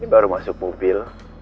baru masuk mobil